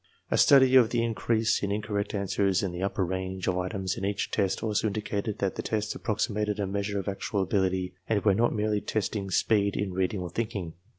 A study of the increase in incorrect answers in the upper range of items in each test also indicated that the tests approximated a nieasure of actual ability and were not merely testing speed in reading or thinking.